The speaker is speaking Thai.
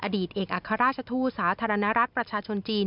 อดีตเอกอัครราชทูตสาธารณรัฐประชาชนจีน